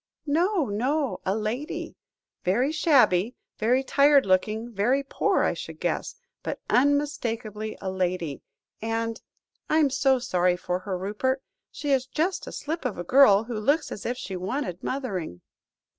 "No, no a lady. Very shabby, very tired looking, very poor, I should guess; but unmistakably a lady. And I'm so sorry for her, Rupert; she is just a slip of a girl, who looks as if she wanted mothering."